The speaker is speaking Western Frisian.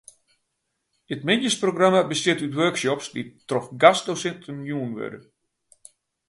It middeisprogramma bestiet út workshops dy't troch gastdosinten jûn wurde.